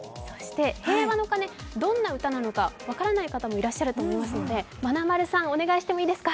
「ＨＥＩＷＡの鐘」、どんな歌なのか分からない方もいらっしゃると思いますのでまなまるさん、お願いしてもいいですか。